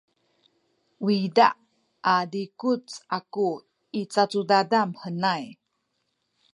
uyza a zikuc aku i cacudadan henay.